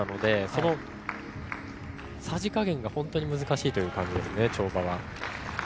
そのさじ加減が本当に難しいですね、跳馬は。